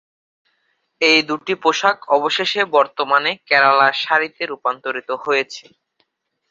এই দুটি পোশাক অবশেষে বর্তমানে কেরালা শাড়ি তে রূপান্তরিত হয়েছে।